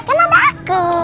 kan ada aku